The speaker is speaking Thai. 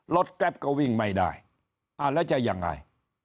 แกรปก็วิ่งไม่ได้อ่าแล้วจะยังไง